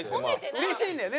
うれしいんだよね？